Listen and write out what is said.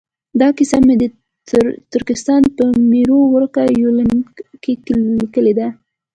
دا کیسه مې د ترکستان په میرو ورکه یونلیک کې لیکلې ده.